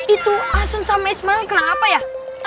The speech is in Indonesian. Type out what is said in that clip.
itu asumsi mesmer kenapa ya